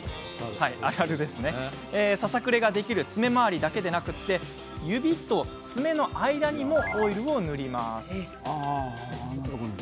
ささくれができる爪周りだけでなく指と爪の間にもオイルを塗ります。